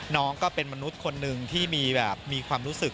น้องก็เป็นมนุษย์คนหนึ่งที่มีความรู้สึก